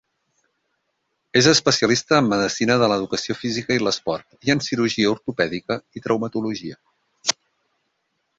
És especialista en Medicina de l'Educació Física i l'Esport i en Cirurgia Ortopèdica i Traumatologia.